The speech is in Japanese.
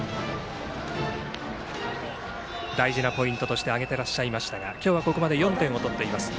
大事なポイントとしてあげていらっしゃいましたが今日はここまで４点を取っています。